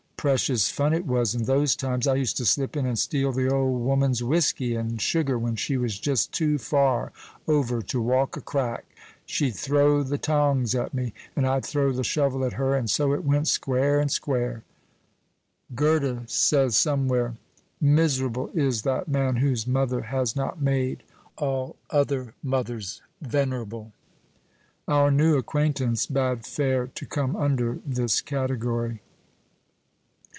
Precious fun it was in those times. I used to slip in and steal the old woman's whiskey and sugar when she was just too far over to walk a crack she'd throw the tongs at me, and I'd throw the shovel at her, and so it went square and square." Goethe says somewhere, "Miserable is that man whose mother has not made all other mothers venerable." Our new acquaintance bade fair to come under this category.